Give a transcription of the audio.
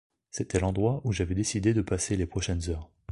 C’était l’endroit où j’avais décidé de passer les prochaines heures.